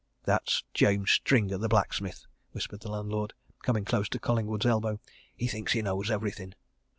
"That's James Stringer, the blacksmith," whispered the landlord, coming close to Collingwood's elbow. "He thinks he knows everything!"